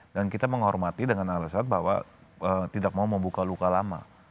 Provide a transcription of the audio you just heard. kita menghormati dengan alasan bahwa tidak mau membuka luka lama